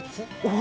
お！